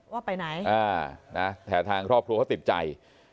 ว่าไปไหนแต่ทางครอบครัวเขาติดใจ